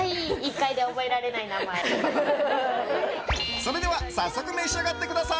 それでは早速召し上がってください。